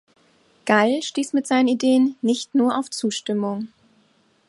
Gall stieß mit seinen Ideen nicht nur auf Zustimmung.